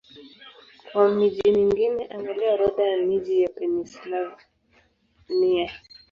Kwa miji mingine, angalia Orodha ya miji ya Pennsylvania.